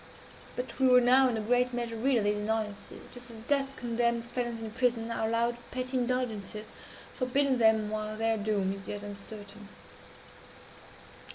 But we were now, in a great measure, rid of these annoyances just as death condemned felons in prison are allowed petty indulgences, forbidden them while their doom is yet uncertain.